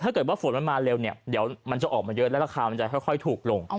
ถ้าเกิดว่าฝนมันมาเร็วเนี่ยเดี๋ยวมันจะออกมาเยอะแล้วราคามันจะค่อยถูกลง